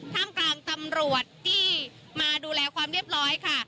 ท่ามกลางตำรวจที่มาดูแลความเรียบร้อยค่ะ